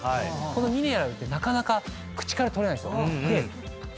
このミネラルってなかなか口から取れないんですよ。